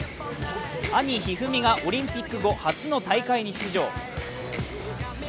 兄・一二三がオリンピック後初の大会に出場。